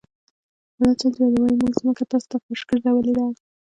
الله ج وایي موږ ځمکه تاسو ته فرش ګرځولې ده.